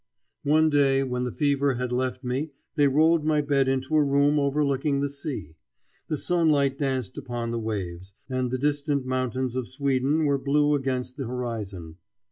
One day when the fever had left me they rolled my bed into a room overlooking the sea. The sunlight danced upon the waves, and the distant mountains of Sweden were blue against the horizon.